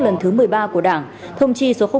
lần thứ một mươi ba của đảng thông chi số